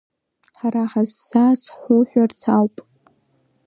Ҳара ҳаззааз ҳуҳәарц ауп…